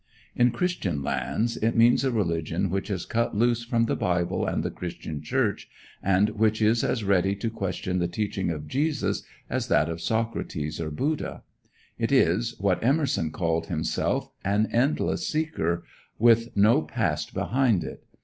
In Christian lands it means a religion which has cut loose from the Bible and the Christian Church, and which is as ready to question the teaching of Jesus as that of Socrates or Buddha. It is, what Emerson called himself, an endless seeker, with no past behind it.